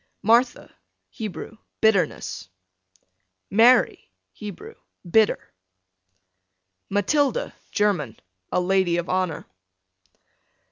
Martha, Hebrew, bitterness, Mary, Hebrew, bitter. Matilda, German, a lady of honor.